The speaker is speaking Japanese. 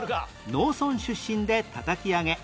農村出身でたたき上げ